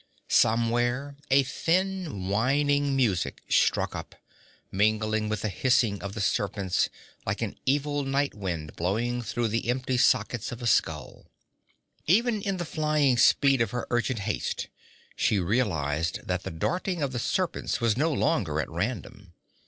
Somewhere a thin whining music struck up, mingling with the hissing of the serpents, like an evil night wind blowing through the empty sockets of a skull. Even in the flying speed of her urgent haste she realized that the darting of the serpents was no longer at random.